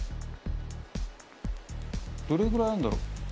どれぐらいあんだろ？